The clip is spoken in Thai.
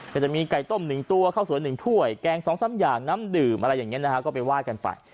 จะมีไก่ต้ม๑ตัวข้าวสวย๑ถ้วยแกง๒๓อย่างน้ำดื่มอะไรอย่างนี้นะฮะก็ไปว่ากันไป